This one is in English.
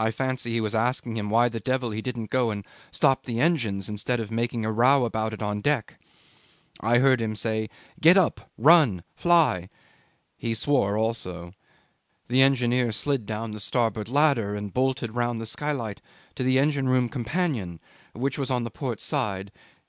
I fancy he was asking him why the devil he didn't go and stop the engines, instead of making a row about it on deck. I heard him say, "Get up! Run! fly!" He swore also. The engineer slid down the starboard ladder and bolted round the skylight to the engine room companion which was on the port side.